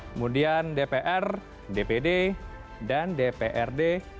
kemudian dpr dpd dan dprd